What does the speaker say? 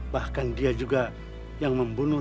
bahkan dia juga yang membunuh